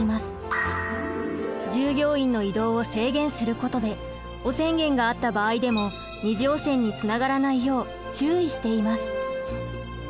従業員の移動を制限することで汚染源があった場合でも二次汚染につながらないよう注意しています。